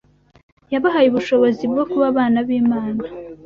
yabahaye ubushobozi bwo kuba abana b’Imana